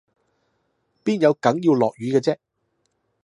邊有梗要落雨嘅啫？